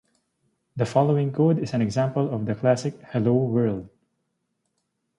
The following code is an example of the classic Hello World!